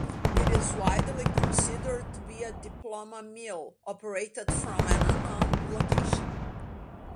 It is widely considered to be a diploma mill, operated from an unknown location.